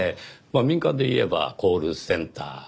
まあ民間で言えばコールセンター。